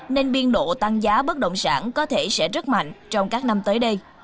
nên biên độ tăng giá bất động sản có thể sẽ rất mạnh trong các năm tới đây